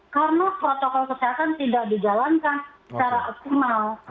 karena protokol kesehatan tidak dijalankan secara optimal